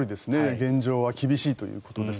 現状は厳しいということです。